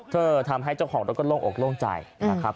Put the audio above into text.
เธอทำให้เจ้าของรถก็โล่งอกโล่งใจนะครับ